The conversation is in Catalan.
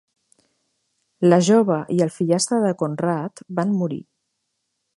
La jove i el fillastre de Conrad van morir.